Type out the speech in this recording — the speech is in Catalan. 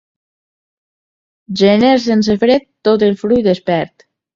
Gener sense fred, tot el fruit es perd.